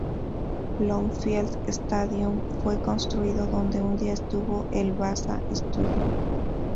Bloomfield Stadium fue construido donde un día estuvo el Basa Stadium.